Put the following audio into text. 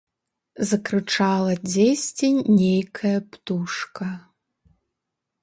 Закрычала дзесьці нейкая птушка.